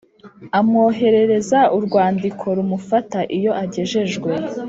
amwoherereza urwandiko rumufata Iyo agejejwe